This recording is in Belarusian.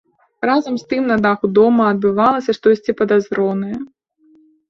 Разам з тым на даху дома адбывалася штосьці падазронае.